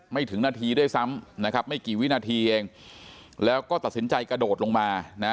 ถึงนาทีด้วยซ้ำนะครับไม่กี่วินาทีเองแล้วก็ตัดสินใจกระโดดลงมานะ